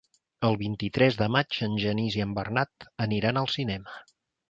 El vint-i-tres de maig en Genís i en Bernat aniran al cinema.